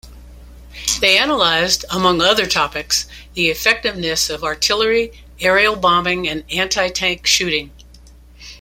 They analysed, among other topics, the effectiveness of artillery, aerial bombing and anti-tank shooting.